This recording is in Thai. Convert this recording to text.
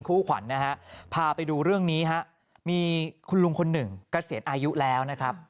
คู่ขวัญนะฮะพาไปดูเรื่องนี้ฮะมีคุณลุงคนหนึ่งเกษียณอายุแล้วนะครับ